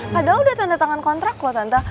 padahal udah tanda tangan kontrak loh tante